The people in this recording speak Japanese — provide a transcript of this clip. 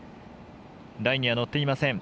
ラインには乗っていません。